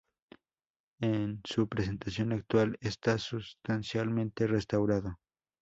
En su presentación actual está sustancialmente restaurado.